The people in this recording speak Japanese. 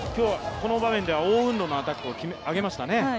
この場面ではオウ・ウンロのアタックを上げましたね。